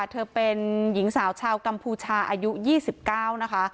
เธอเป็นหญิงสาวชาวกัมภูชาอายุยี่สิบเก้านะคะ